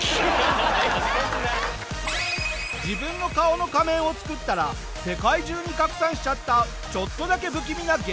自分の顔の仮面を作ったら世界中に拡散しちゃったちょっとだけ不気味な激